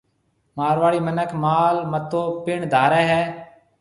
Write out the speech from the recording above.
مارواڙي مِنک مال متو پڻ ڌارَي ھيَََ